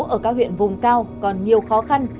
ở các huyện vùng cao còn nhiều khó khăn